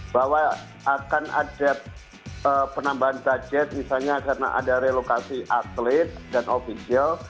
bahwa akan ada penambahan budget misalnya karena ada relokasi atlet dan ofisial